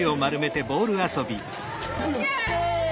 イエイ！